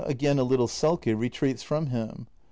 [Again a little sulky, retreats from him.